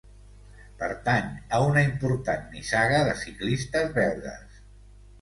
Pertany a una important nissaga de ciclistes belgues.